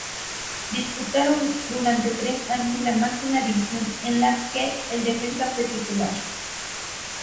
Disputaron durante tres años la máxima división, en las que el defensa fue titular.